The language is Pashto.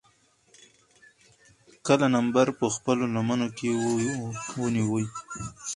کله نمر پۀ خپلو لمنو کښې ونيوي